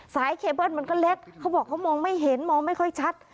เคเบิ้ลมันก็เล็กเขาบอกเขามองไม่เห็นมองไม่ค่อยชัด